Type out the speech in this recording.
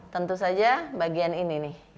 tentu saja bagian ini nih